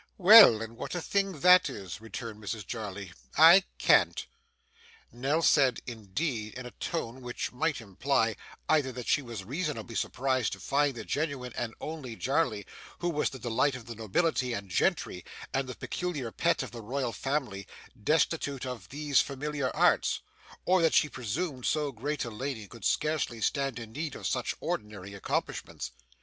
'Well, and what a thing that is,' returned Mrs Jarley. 'I can't!' Nell said 'indeed' in a tone which might imply, either that she was reasonably surprised to find the genuine and only Jarley, who was the delight of the Nobility and Gentry and the peculiar pet of the Royal Family, destitute of these familiar arts; or that she presumed so great a lady could scarcely stand in need of such ordinary accomplishments.